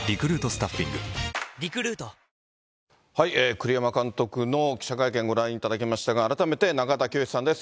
栗山監督の記者会見、ご覧いただきましたけれども、改めて、中畑清さんです。